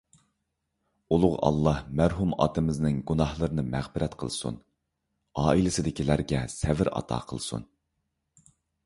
ئۇلۇغ ئاللاھ مەرھۇم ئاتىمىزنىڭ گۇناھلىرىنى مەغپىرەت قىلسۇن. ئائىلىسىدىكىلەرگە سەۋر ئاتا قىلسۇن.